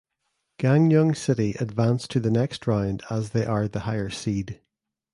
Gangneung City advance to the next round as they are the higher seed.